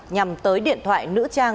nhằm tới điện thoại nữ trang